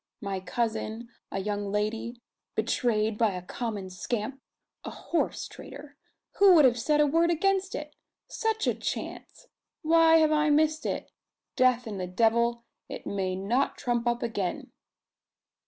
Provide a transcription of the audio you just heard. My cousin, a young lady, betrayed by a common scamp a horse, trader who would have said a word against it? Such a chance! Why have I missed it? Death and the devil it may not trump up again!"